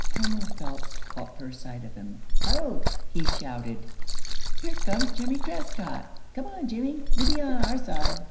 Homer Phelps caught first sight of him. "Ho!" he shouted; "here comes Jimmie Trescott! Come on, Jimmie; you be on our side!"